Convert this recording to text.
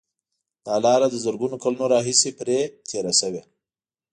دا لاره له زرګونو کلونو راهیسې پرې تېر شوي.